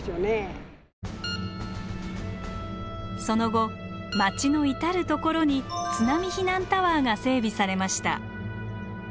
その後町の至る所に津波避難タワーが整備されました。